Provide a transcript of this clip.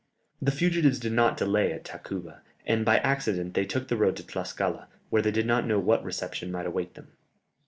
The fugitives did not delay at Tacuba, and by accident they took the road to Tlascala, where they did not know what reception might await them.